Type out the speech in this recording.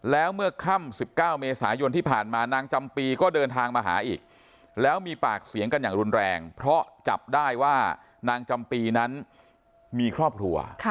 แล้วเมื่อค่ำ๑๙เมษายนที่ผ่านมานางจำปีก็เดินทางมาหาอีกแล้วมีปากเสียงกันอย่างรุนแรงเพราะจับได้ว่านางจำปีนั้นมีครอบครัว